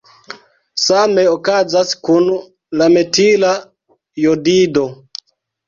Same okazas kun la metila jodido.